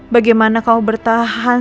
bagaimana kamu bertahan